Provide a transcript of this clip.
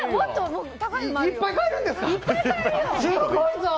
いっぱい買えるんですか？